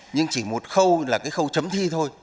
nhưng chỉ một khâu là cái khâu chấm thi thôi